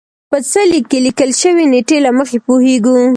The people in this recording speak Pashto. په څلي کې لیکل شوې نېټې له مخې پوهېږو.